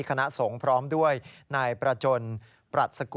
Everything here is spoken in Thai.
คณะสงฆ์พร้อมด้วยนายประจนปรัชกุล